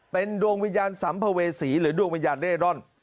เป็นดวงวิญญาณสัมภเวษีหรือดวงวิญญาณเร่ร่อน